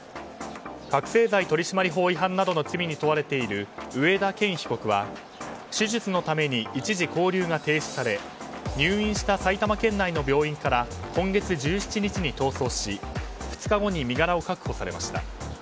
覚醒剤取締法違反などの罪に問われている上田健被告は、手術のために一時勾留が停止され入院した埼玉県内の病院から今月１７日に逃走し、２日後に身柄を確保されました。